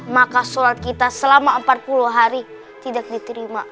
maka surat kita selama empat puluh hari tidak diterima